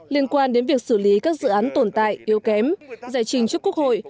liên quan đến việc xử lý các dự án tồn tại yếu kém giải trình trước quốc hội